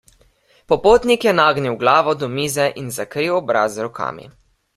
Popotnik je nagnil glavo do mize in zakril obraz z rokami.